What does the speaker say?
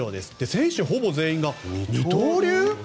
選手がほぼ全員二刀流？